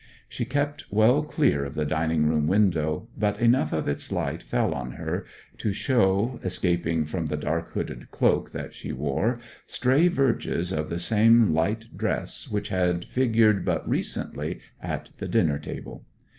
She kept well clear of the dining room window, but enough of its light fell on her to show, escaping from the dark hooded cloak that she wore, stray verges of the same light dress which had figured but recently at the dinner table.